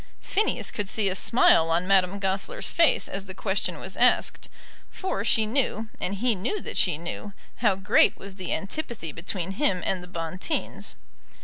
Phineas could see a smile on Madame Goesler's face as the question was asked; for she knew, and he knew that she knew, how great was the antipathy between him and the Bonteens.